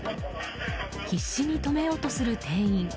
必死に止めようとする店員。